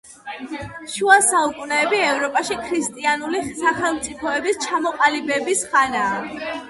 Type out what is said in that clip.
შუა საუკუნეები ევროპაში ქრისტიანული სახელმწიფოების ჩამოყალიბების ხანაა.